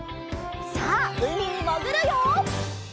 さあうみにもぐるよ！